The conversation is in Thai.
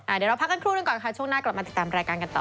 เดี๋ยวเราพักกันครู่หนึ่งก่อนค่ะช่วงหน้ากลับมาติดตามรายการกันต่อ